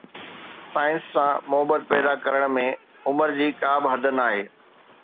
science سان محبت پيدا ڪرڻ ۾ عمر جي ڪا به حد ناهي